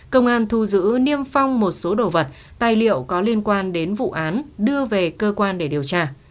công an thu giữ niêm phong một số đồ vật tài liệu có liên quan đến vụ án đưa về cơ quan để điều tra